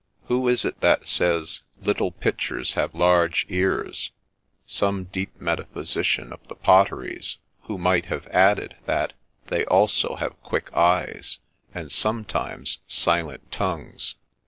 Who is it that says, ' little pitchers have large ears ?' Some deep metaphysician of the potteries, who might have added that they have also quick eyes, and sometimes silent tongues.